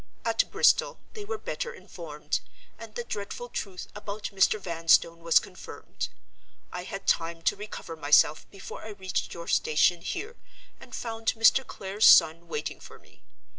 At Bristol, they were better informed; and the dreadful truth about Mr. Vanstone was confirmed. I had time to recover myself before I reached your station here, and found Mr. Clare's son waiting for me.